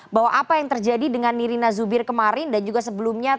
bahwa apa yang terjadi dengan nirina zubir kemarin dan juga sebelumnya